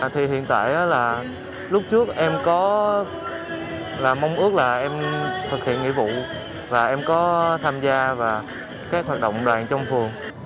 thì hiện tại là lúc trước em có là mong ước là em thực hiện nghị vụ và em có tham gia và các hoạt động đoàn trong phường